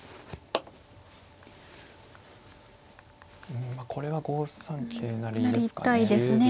うんまあこれは５三桂成ですかね。